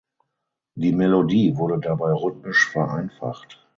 Die Melodie wurde dabei rhythmisch vereinfacht.